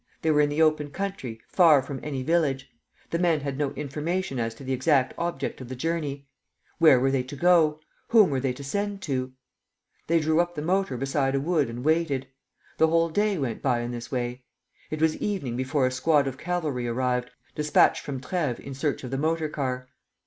They were in the open country, far from any village. The men had no information as to the exact object of the journey. Where were they to go? Whom were they to send to? They drew up the motor beside a wood and waited. The whole day went by in this way. It was evening before a squad of cavalry arrived, dispatched from Treves in search of the motor car.